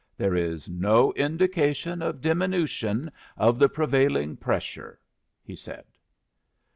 "There is no indication of diminution of the prevailing pressure," he said.